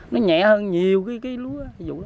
nó nhẹ hơn nhiều cái lúa